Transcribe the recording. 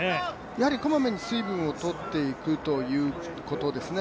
やはりこまめに水分をとっていくということですね。